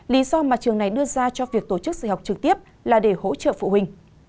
lý do mà trường này đưa ra cho việc tổ chức dạy học trực tiếp là để hỗ trợ phụ huynh